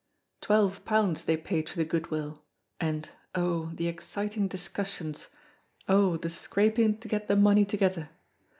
Twelve pounds they paid for the good will, and, oh, the exciting discussions, oh, the scraping to get the money together!